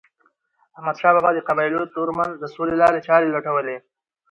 احمدشاه بابا د قبایلو ترمنځ د سولې لارې چارې لټولې.